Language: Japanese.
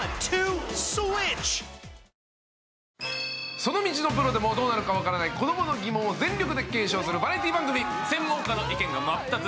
その道のプロでもどうなるかわからない、子供のギモンを全力で検証するバラエティー番組、「専門家の意見が真っ二つ！